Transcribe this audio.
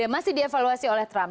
masih dievaluasi oleh trump